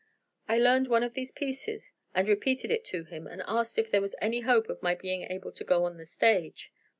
I learned one of the pieces and repeated it to him, and asked if there was any hope of my being able to go on the stage.